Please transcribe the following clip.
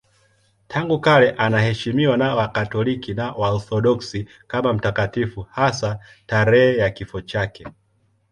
Tangu kale anaheshimiwa na Wakatoliki na Waorthodoksi kama mtakatifu, hasa tarehe ya kifo chake.